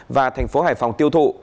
và thành phố hải phòng tiêu thụ